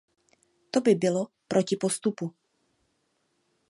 To by bylo proti postupu.